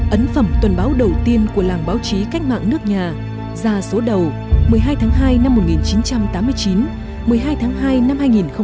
ấn phẩm tuần báo đầu tiên của làng báo chí cách mạng nước nhà ra số đầu một mươi hai tháng hai năm một nghìn chín trăm tám mươi chín một mươi hai tháng hai năm hai nghìn một mươi chín